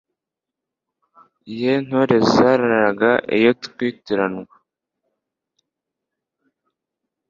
Ye Ntore zararaga iyo twitiranwa,